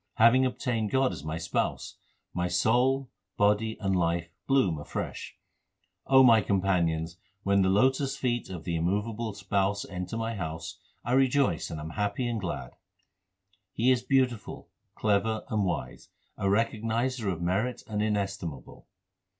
Having obtained God as my Spouse, my soul, body, and life bloom afresh. my companions, when the lotus feet of the immovable Spouse enter my house, I rejoice and am happy and glad. He is beautiful, clever, and wise, a Recognizer of merit and inestimable.